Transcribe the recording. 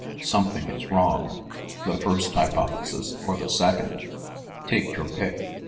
Something is wrong, the first hypothesis, or the second. Take your pick.